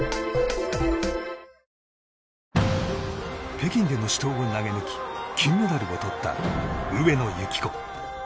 北京での死闘を投げ抜き金メダルを取った上野由岐子。